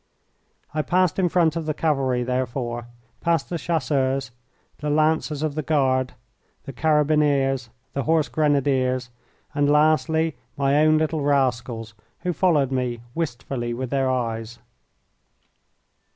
I passed in front of the cavalry, therefore, past the Chasseurs, the Lancers of the Guard, the Carabineers, the Horse Grenadiers, and, lastly, my own little rascals, who followed me wistfully with their eyes.